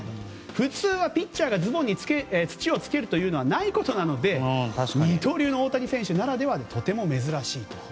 普通はピッチャーがズボンに土をつけるのはないことなので二刀流の大谷選手ならではでとても珍しいと。